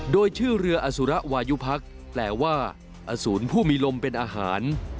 โดยชื่อเรืออสุระวายุพักแปลว่าอสูรผู้มีลมเป็นอาหาร